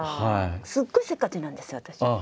すごいせっかちなんですよ私。